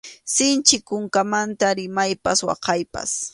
Sinchi kunkamanta rimaypas waqaypas.